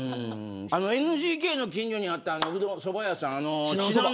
ＮＧＫの近所にあったそば屋さん